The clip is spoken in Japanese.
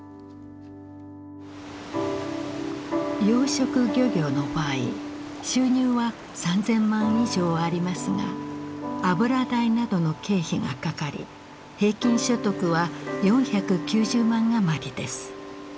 養殖漁業の場合収入は３，０００万以上ありますが油代などの経費がかかり平均所得は４９０万余りです。